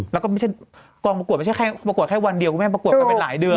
แล้วก็กองประกวดไม่ใช่แค่วันเดียวคุณแม่ประกวดกันเป็นหลายเดือน